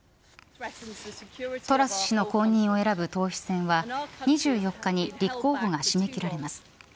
トラス氏の後任を選ぶ党首選は２４日に立候補が締め切られます。